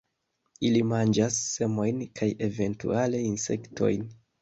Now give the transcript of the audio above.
Ili manĝas semojn kaj eventuale insektojn.